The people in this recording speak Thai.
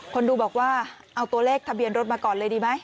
คนดูบอกว่าเอาตัวเลขทะเบียนรถมาก่อนเลยดีไหม